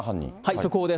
速報です。